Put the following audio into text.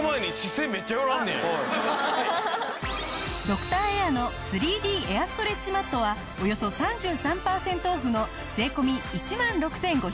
ドクターエアの３Ｄエアストレッチマットはおよそ３３パーセントオフの税込１万６５００円。